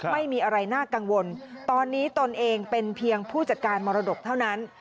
ไม่มีอะไรน่ากังวลตอนนี้ตนเองเป็นเพียงผู้จัดการมรดกเท่านั้น